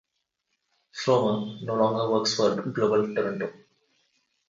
Fromer no longer works for Global Toronto.